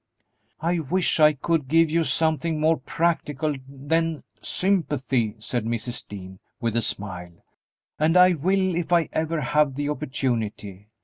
"I wish I could give you something more practical than sympathy," said Mrs. Dean, with a smile, "and I will if I ever have the opportunity.